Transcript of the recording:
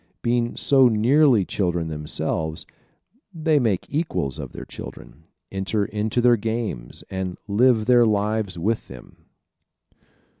Being so nearly children themselves they make equals of their children, enter into their games and live their lives with them.